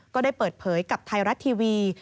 ก็ได้เปิดเผยกับไทยรัฐทีวี